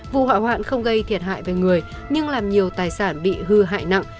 vụ hỏa hoạn không gây thiệt hại về người nhưng làm nhiều tài sản bị hư hại nặng